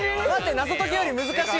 謎解きより難しい！